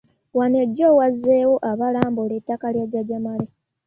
Wano jjo wazzeewo abalambula ettaka lya jjajja Male.